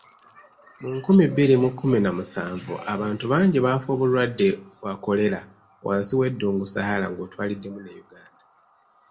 Mu nkumi bbiri mu kkumi na musanvu abantu bangi baafa obulwadde bwa kolera wansi w'eddungu Sahara ng'otwaliddemu ne Uganda.